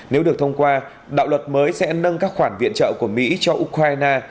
nếu được thông qua đạo luật mới sẽ nâng các khoản viện trợ của mỹ cho ukraine